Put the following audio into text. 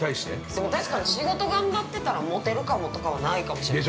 でも、確かに仕事頑張ってたらもてるかもとかはないかもしれないです。